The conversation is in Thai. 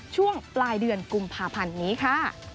ช่วงปลายเดือนกุมภาพันธ์นี้ค่ะ